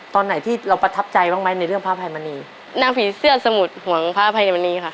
ตอนไหนที่เราประทับใจบ้างไหมในเรื่องพระอภัยมณีนางผีเสื้อสมุทรห่วงพระอภัยมณีค่ะ